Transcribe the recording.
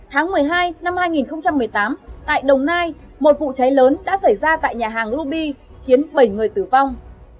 tháng một mươi hai năm hai nghìn một mươi tám tại đồng nai một vụ cháy lớn đã xảy ra tại nhà hàng ruby khiến bảy người tử vong